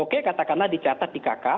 oke katakanlah dicatat di kk